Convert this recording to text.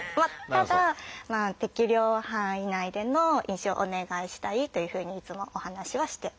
ただ適量範囲内での飲酒をお願いしたいというふうにいつもお話しはしております。